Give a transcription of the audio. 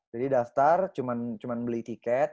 jadi daftar cuman beli tiket